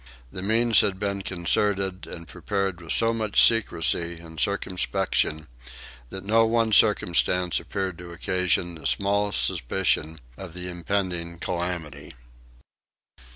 The means had been concerted and prepared with so much secrecy and circumspection that no one circumstance appeared to occasion the smallest suspicion of the impending calamity.